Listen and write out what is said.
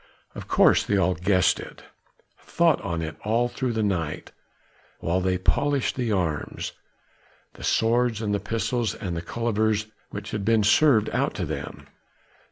Of course they had all guessed it, thought on it all through the night while they polished the arms the swords and the pistols and the cullivers which had been served out to them.